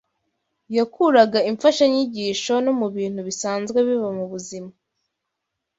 Yakuraga imfashanyigisho no mu bintu bisanzwe biba mu buzima